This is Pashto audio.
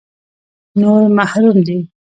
نور محروم دي.